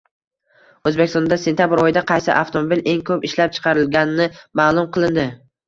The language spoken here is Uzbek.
O‘zbekistonda sentabr oyida qaysi avtomobil eng ko‘p ishlab chiqarilgani ma’lum qilindi